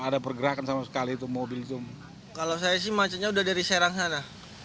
ada pergerakan sama sekali itu mobil itu kalau saya sih macetnya udah dari serang sana